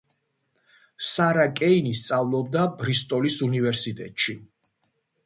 სარა კეინი სწავლობდა ბრისტოლის უნივერსიტეტში.